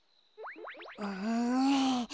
うん。